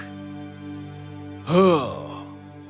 oh ini sangat menakutkan